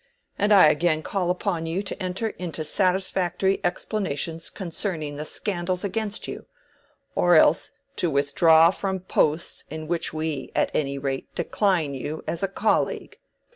And I again call upon you to enter into satisfactory explanations concerning the scandals against you, or else to withdraw from posts in which we at any rate decline you as a colleague.